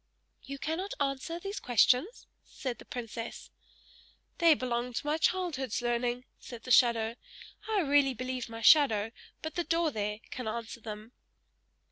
"You cannot answer these questions?" said the princess. "They belong to my childhood's learning," said the shadow. "I really believe my shadow, by the door there, can answer them!"